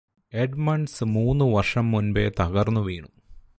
Edmunds മൂന്ന് വര്ഷം മുൻപേ തകര്ന്നു വീണു